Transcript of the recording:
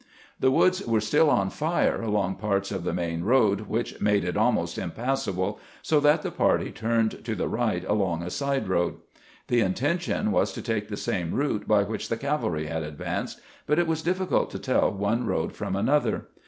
The woods were still on fire along parts of the main road, which made it almost impassable, so that the party turned out to the right into a side road. The in tention was to take the same route by which the cavalry had advanced, but it was difficult to tell one road from another.